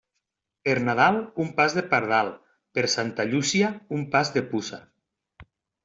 Per Nadal, un pas de pardal; per Santa Llúcia, un pas de puça.